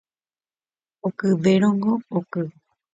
Okyvérõngo oky